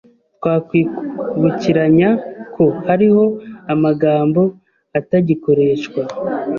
Twakwibukiranya ko hariho amagambo atagikoreshwa